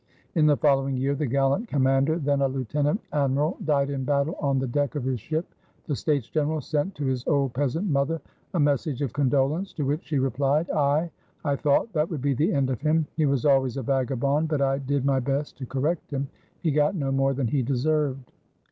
In the following year the gallant commander, then a lieutenant admiral, died in battle on the deck of his ship. The States General sent to his old peasant mother a message of condolence, to which she replied: "Ay, I thought that would be the end of him. He was always a vagabond; but I did my best to correct him. He got no more than he deserved."